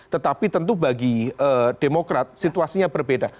tetapi tentu bagi demokrat situasinya berbeda